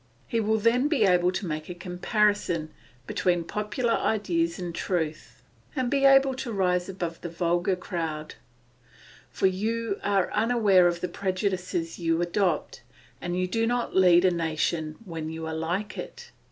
He will then be able to make a comparison between popular ideas and truth, and be able to rise above the vulgar crowd; for you are unaware of the prejudices you adopt, and you do not lead a nation when you are like it.